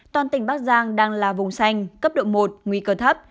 toàn tỉnh bắc giang đang là vùng xanh cấp độ một nguy cơ thấp